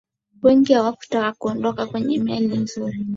wengi hawakutaka kuondoka kwenye meli nzuri